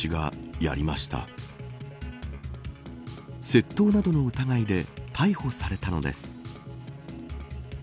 窃盗などの疑いで逮捕されたのです。